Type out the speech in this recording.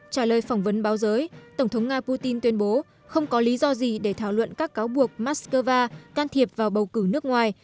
trả lời phỏng vấn báo giới tổng thống nga putin tuyên bố không có lý do gì để thảo luận các cáo buộc moscow can thiệp vào bầu cử nước ngoài